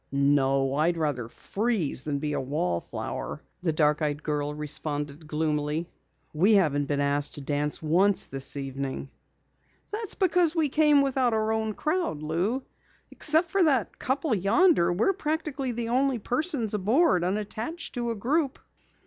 "No, I'd rather freeze than be a wallflower," the dark eyed girl responded gloomily. "We haven't been asked to dance once this evening." "That's because we came without our own crowd, Lou. Except for that couple yonder, we're practically the only persons aboard unattached to a group."